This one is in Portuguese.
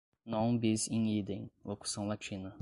non bis in idem, locução latina